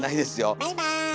バイバーイ。